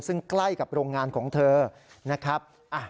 ซึ่งใกล้กับโรงงานของเธอนะครับ